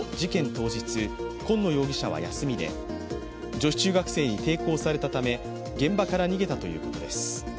当日今野容疑者は休みで女子中学生に抵抗されたため現場から逃げたということです。